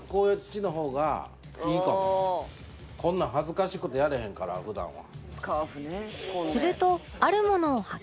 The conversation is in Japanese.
こんなん恥ずかしくてやれへんから普段は。